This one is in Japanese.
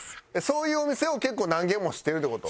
そういうお店を結構何軒も知ってるって事？